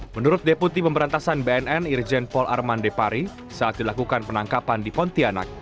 menurut deputi pemberantasan bnn irjen pol arman depari saat dilakukan penangkapan di pontianak